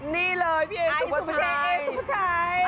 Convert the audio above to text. นี่เลยพี่เอ๋ซุปชัย